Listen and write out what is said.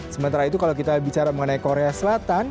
sementara itu kalau kita bicara mengenai korea selatan